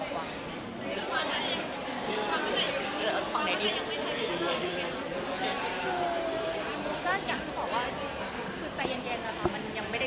ความใดดี